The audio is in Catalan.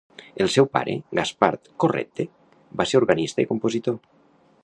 El seu pare, Gaspard Corrette, va ser organista i compositor.